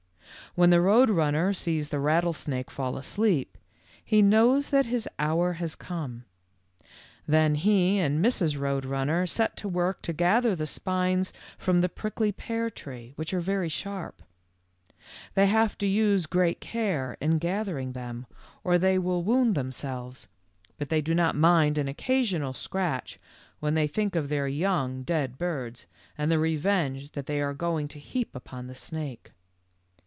K When the Road Runner sees the rattlesnake fall asleep, he knows that his hour has come. Then he and Mrs. Road Runner set to work to gather the spines from the prickly pear tree, which are very sharp. They have to use great care in gathering them or they will wound 92 THE LITTLE FORESTERS. themselves, but they do not mind an occasional scratch when they think of their young dead birds, and the revenge that they are going to heap upon the snake.